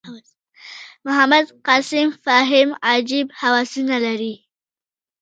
محمد قسیم فهیم عجیب هوسونه لري.